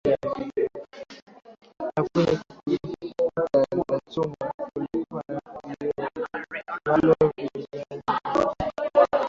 Na kwenye kuta za chumba kulikuwa na vioo maalum kwaajili ya kuangalizia video